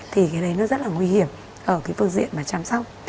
thì cái đấy nó rất là nguy hiểm ở cái phương diện mà chăm sóc